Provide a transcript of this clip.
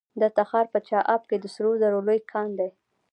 د تخار په چاه اب کې د سرو زرو لوی کان دی.